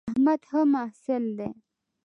احمد ښه محصل دی